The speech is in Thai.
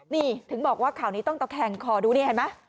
นี่ถึงบอกว่าข่าวนี้ต้องตะแคงขอดูนี่เห็นไหม